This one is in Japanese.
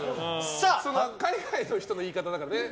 海外の人の言い方だからね。